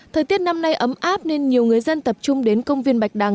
thời tiết năm nay ấm áp nên nhiều người dân tập trung đến công viên bạch đăng